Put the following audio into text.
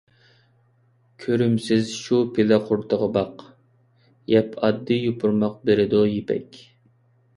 كۆرۈمسىز شۇ پىلە قۇرۇتىغا باق، يەپ ئاددىي يوپۇرماق بېرىدۇ يىپەك.